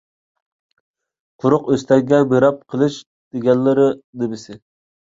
قۇرۇق ئۆستەڭگە مىراب قىلىش دېگەنلىرى نېمىسى؟